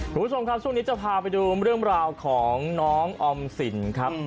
คุณผู้ชมครับช่วงนี้จะพาไปดูเรื่องราวของน้องออมสินครับ